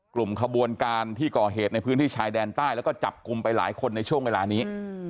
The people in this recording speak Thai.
กลุ่มขบวนการที่ก่อเหตุในพื้นที่ชายแดนใต้แล้วก็จับกลุ่มไปหลายคนในช่วงเวลานี้